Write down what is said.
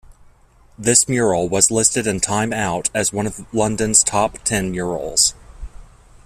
This mural was listed in "Time Out" as one of London's top ten murals.